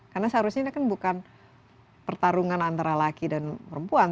karena seharusnya ini kan bukan pertarungan antara laki dan perempuan